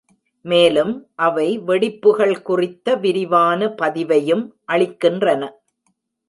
மேலும், அவை வெடிப்புகள் குறித்த விரிவான பதிவையும் அளிக்கின்றன.